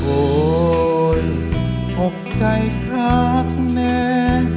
โอ๊ยโภคใจคักแน